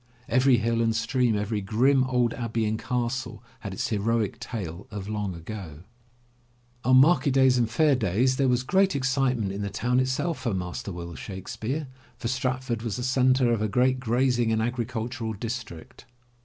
Every hill and stream, every grim old abbey and castle had its heroic tale of long ago. On market days and fair days there was great 153 M Y BOOK HOUSE excitement in the town itself for Master Will Shakespeare, for Stratford was the center of a great grazing and agricultural district.